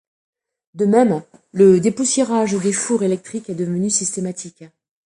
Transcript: De même, le dépoussiérage des fours électriques est devenu systématique.